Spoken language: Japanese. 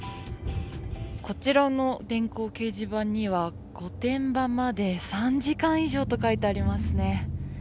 こちらの電光掲示板には御殿場まで３時間以上と書いてありますね。